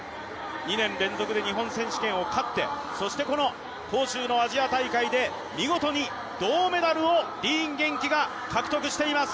２年連続で日本選手権を勝ってそしてこの杭州のアジア大会で見事に銅メダルをディーン元気が獲得しています。